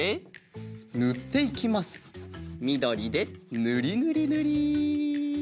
みどりでぬりぬりぬり。